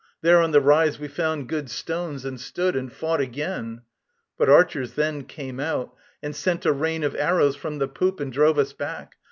There on the rise We found good stones and stood, and fought again. But archers then came out, and sent a rain Of arrows from the poop, and drove us back.